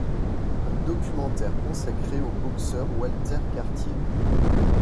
Un documentaire consacré au boxeur Walter Cartier.